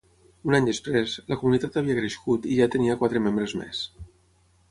Un any després, la comunitat havia crescut i ja tenia quatre membres més.